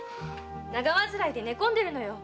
長患いで寝込んでるのよ。